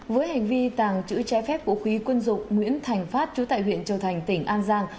với hành vi tàng trữ trái phép vũ khí quân dụng nguyễn thành phát trú tại huyện châu thành tỉnh an giang